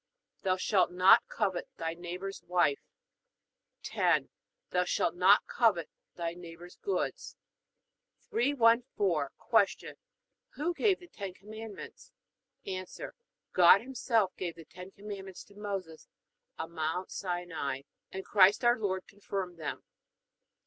Thou shalt not covet thy neighbor's wife. 10. Thou shalt not covet thy neighbor's goods. 314. Q. Who gave the Ten Commandments? A. God Himself gave the Ten Commandments to Moses on Mount Sinai, and Christ our Lord confirmed them.